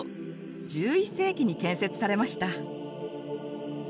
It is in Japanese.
１１世紀に建設されました。